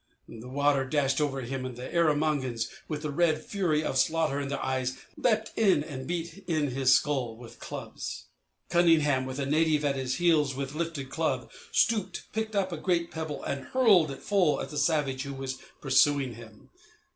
The water dashed over him, and the Erromangans, with the red fury of slaughter in their eyes, leapt in and beat in his skull with clubs. Cunningham, with a native at his heels with lifted club, stooped, picked up a great pebble and hurled it full at the savage who was pursuing him.